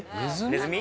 ネズミ？